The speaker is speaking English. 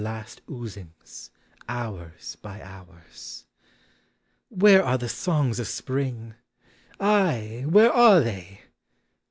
last oozings, hours by hours. .Where are the songs of Spring? Ay, where are they?